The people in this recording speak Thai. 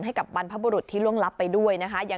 ให้กับบรรพบุรุษที่ล่วงลับไปด้วยนะคะ